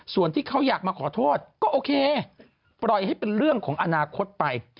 ส่วนที่เขาอยากมาขอโทษก็โอเคปล่อยให้เป็นเรื่องของอนาคตไป